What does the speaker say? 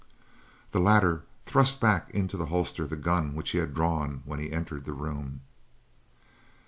The latter thrust back into the holster the gun which he had drawn when he entered the room.